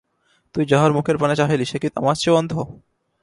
তুই যাহার মুখের পানে চাহিলি সে কি আমার চেয়েও অন্ধ।